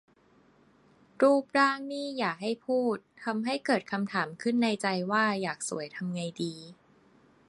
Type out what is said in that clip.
รูปร่างนี่อย่าให้พูด ทำให้เกิดคำถามขึ้นในใจว่า อยากสวยทำไงดี